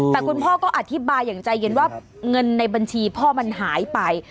แต่คุณพ่อก็อธิบายอย่างใจเย็นว่าเงินในบัญชีพ่อมันหายไป